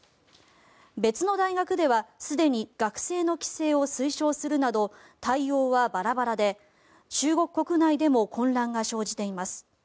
別の大学ではすでに学生の帰省を推奨するなど対応はバラバラで、中国国内でも混乱が生じています。